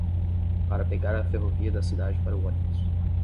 Para pegar a ferrovia da cidade para o ônibus